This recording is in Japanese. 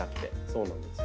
そうなんですよ。